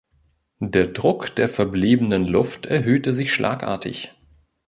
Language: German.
Der Druck der verbliebenen Luft erhöhte sich schlagartig.